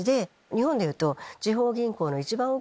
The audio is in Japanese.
日本でいうと。